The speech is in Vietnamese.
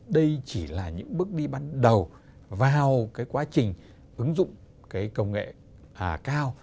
đây chỉ là những bước đi ban đầu vào cái quá trình ứng dụng cái công nghệ cao